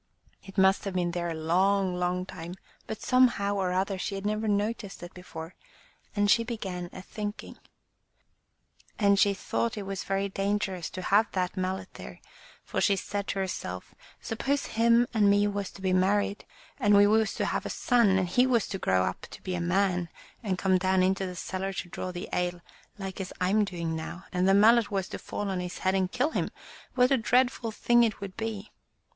It must have been there a long, long time, but some how or other she had never noticed it before, and she began a thinking. And she thought it was very dangerous to have that mallet there, for she said to herself, "Suppose him and me was to be married, and we was to have a son, and he was to grow up to be a man, and come down into the cellar to draw the ale, like as Fm doing now, and the mallet was to fall on his head and kill him, what a dreadful thing it would be!'